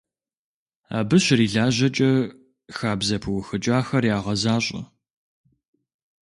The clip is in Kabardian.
Абы щрилажьэкӀэ, хабзэ пыухыкӀахэр ягъэзащӀэ.